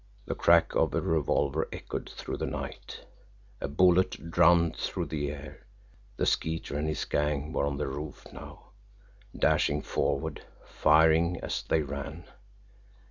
The crack of a revolver echoed through the night a bullet drummed through the air the Skeeter and his gang were on the roof now, dashing forward, firing as they ran.